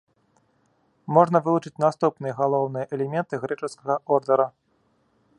Можна вылучыць наступныя галоўныя элементы грэчаскага ордара.